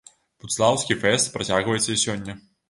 Будслаўскі фэст працягваецца і сёння.